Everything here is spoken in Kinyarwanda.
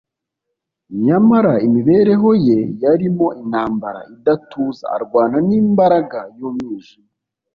nyamara imibereho ye yarimo intambara idatuza arwana n'imbaraga y'umwijima.